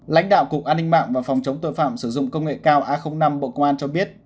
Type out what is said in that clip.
lãnh đạo cục an ninh mạng và phòng chống tội phạm sử dụng công nghệ cao a năm bộ công an cho biết